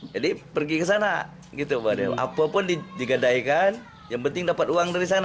jadi pergi ke sana apapun digadaikan yang penting dapat uang dari sana